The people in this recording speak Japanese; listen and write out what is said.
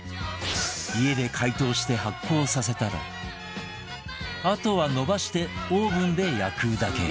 家で解凍して発酵させたらあとは延ばしてオーブンで焼くだけ